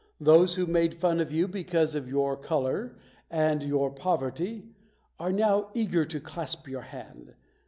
Those who made fun of you because of your color and your poverty are now eager to clasp your hand.